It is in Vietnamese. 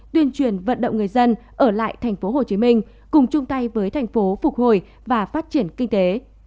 tuyên truyền vận động người dân ở lại thành phố hồ chí minh cùng chung tay với thành phố phục hồi và phát triển kinh tế